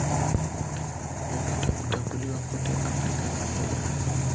Amepata kutambuliwa kote Afrika na Amerika.